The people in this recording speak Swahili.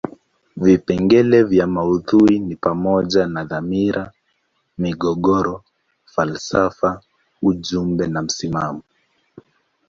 Vipengele vya maudhui ni pamoja na dhamira, migogoro, falsafa ujumbe na msimamo.